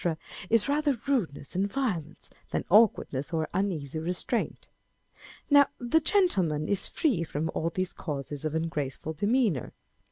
â€" is rather rudeness and violence, than awkwardness or uneasy restraint.) Now the gentleman is free from all these causes of ungraceful demeanour.